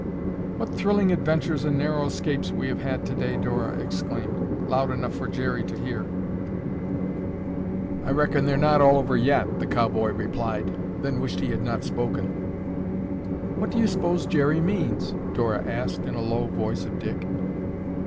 "What thrilling adventures and narrow escapes we have had today!" Dora exclaimed, loud enough for Jerry to hear. "I reckon they're not all over yet," the cowboy replied,—then wished he had not spoken. "What do you suppose Jerry means?" Dora asked in a low voice of Dick.